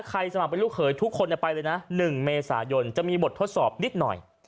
สมัครเป็นลูกเขยทุกคนไปเลยนะ๑เมษายนจะมีบททดสอบนิดหน่อย